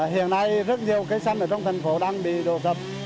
hiện nay rất nhiều cây xanh ở trong thành phố đang bị đổ sập